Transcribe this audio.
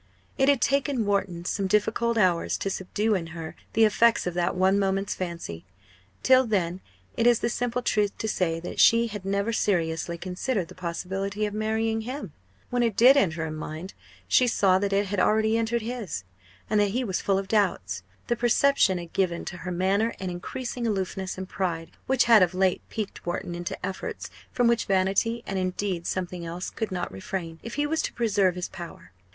It had taken Wharton some difficult hours to subdue in her the effects of that one moment's fancy. Till then it is the simple truth to say that she had never seriously considered the possibility of marrying him. When it did enter her mind, she saw that it had already entered his and that he was full of doubts! The perception had given to her manner an increasing aloofness and pride which had of late piqued Wharton into efforts from which vanity, and, indeed, something else, could not refrain, if he was to preserve his power.